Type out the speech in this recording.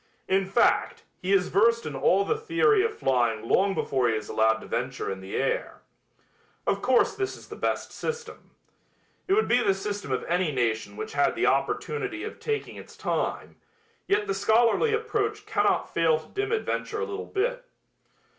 In fact, he is versed in all the theory of flying long before he is allowed to venture in the air. Of course this is the best system. It would be the system of any nation which had the opportunity of taking its time, yet the scholarly approach cannot fail to dim adventure a little bit.